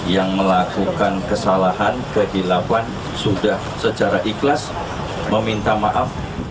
yang melakukan kesalahan kehilafan sudah secara ikhlas meminta maaf